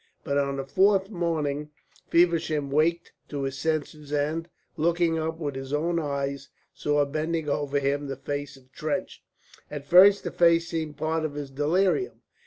But on the fourth morning Feversham waked to his senses and, looking up, with his own eyes saw bending over him the face of Trench. At first the face seemed part of his delirium.